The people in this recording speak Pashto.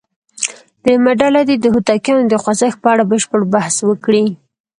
درېمه ډله دې د هوتکیانو د خوځښت په اړه بشپړ بحث وکړي.